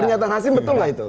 pernyataan hasim betul nggak itu